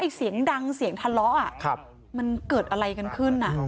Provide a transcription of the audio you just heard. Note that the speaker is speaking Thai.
ไอ้เสียงดังเสียงทะเลาะอ่ะครับมันเกิดอะไรกันขึ้นน่ะ